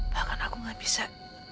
bahkan aku gak bisa